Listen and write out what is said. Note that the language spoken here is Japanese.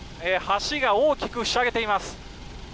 橋が大きくひしゃげています。